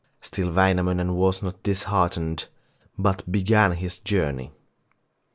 Still Wainamoinen was not disheartened, but began his journey.